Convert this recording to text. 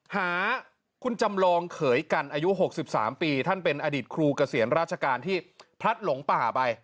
หาคุณจำลองเขยกันอายุ๖๓ปีท่านเป็นอดีตครูเกษียณราชการที่พลัดหลงป่าไป